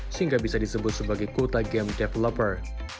sehingga bisa disebut sebagai kota game developer